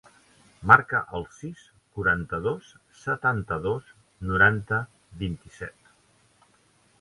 Marca el sis, quaranta-dos, setanta-dos, noranta, vint-i-set.